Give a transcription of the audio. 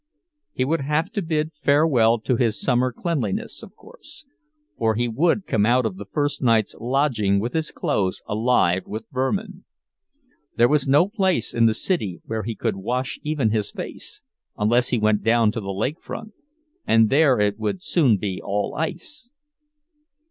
He would have to bid farewell to his summer cleanliness, of course, for he would come out of the first night's lodging with his clothes alive with vermin. There was no place in the city where he could wash even his face, unless he went down to the lake front—and there it would soon be all ice.